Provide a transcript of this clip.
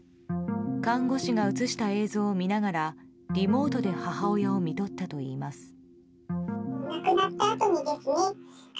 看護師が映した映像を見ながらリモートで母親をみとったといいます。